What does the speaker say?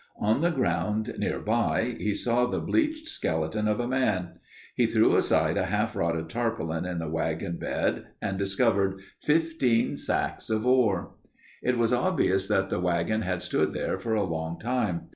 On the ground nearby he saw the bleached skeleton of a man. He threw aside a half rotted tarpaulin in the wagon bed and discovered fifteen sacks of ore. It was obvious that the wagon had stood there for a long time.